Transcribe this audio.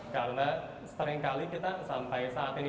karena seringkali kita sampai saat ini